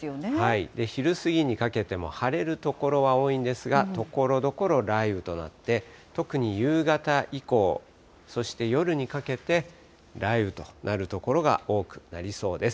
昼過ぎにかけても晴れる所は多いんですが、ところどころ雷雨となって、特に夕方以降、そして夜にかけて、雷雨となる所が多くなりそうです。